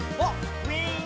ウィン！」